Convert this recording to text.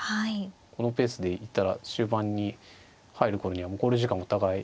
このペースで行ったら終盤に入る頃には考慮時間もお互い。